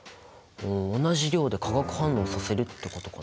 同じ量で化学反応させるってことかな？